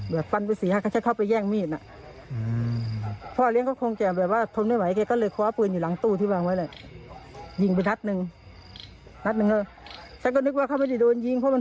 แบบปันไปสี่ห้าก็จะเข้าไปแย่งมีดน่ะ